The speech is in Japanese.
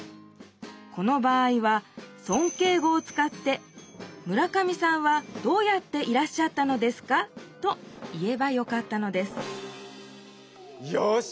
この場合はそんけい語を使って「村上さんはどうやっていらっしゃったのですか」と言えばよかったのですよし。